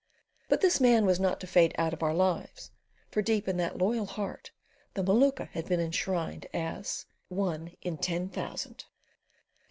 But this man was not to fade quite out of our lives, for deep in that loyal heart the Maluka had been enshrined as "one in ten thousand."